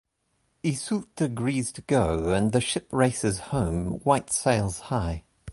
Iseult agrees to go, and the ship races home, white sails high.